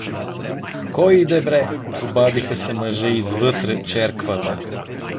— Кой иде бре? — обадиха се мъже из вътре черквата.